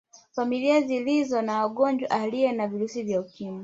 Familia zilizo na mgonjwa aliye na virusi vya Ukimwi